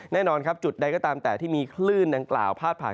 แน่นอนครับจุดใดก็ตามแต่ที่มีคลื่นดังกล่าวพาดผ่าน